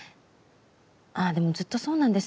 ああでもずっとそうなんです。